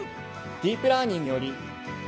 ディープラーニングにより。